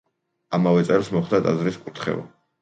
ამავე წელს მოხდა ტაძრის კურთხევა.